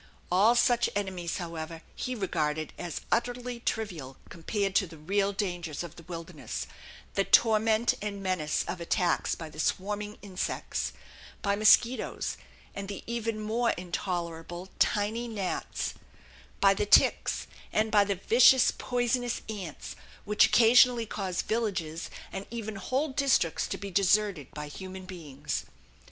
All such enemies, however, he regarded as utterly trivial compared to the real dangers of the wilderness the torment and menace of attacks by the swarming insects, by mosquitoes and the even more intolerable tiny gnats, by the ticks, and by the vicious poisonous ants which occasionally cause villages and even whole districts to be deserted by human beings.